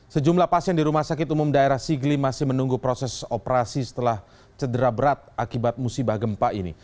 sejumlah pasien di rumah sakit umum daerah sigli masih menunggu proses operasi setelah cedera berat akibat musibah gempa ini